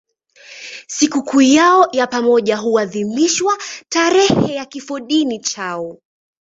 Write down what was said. Sikukuu yao ya pamoja huadhimishwa tarehe ya kifodini chao.